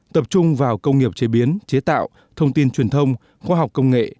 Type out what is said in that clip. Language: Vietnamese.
tập trung vào công nghiệp chế biến chế tạo thông tin truyền thông khoa học công nghệ